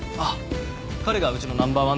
彼がうちのナンバー１の。